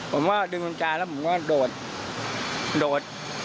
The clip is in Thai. ผมก็ดึงมนตราแล้วก็โดด